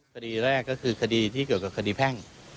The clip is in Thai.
คดีแรกก็คือคดีที่เกี่ยวกับคดีแพ่ง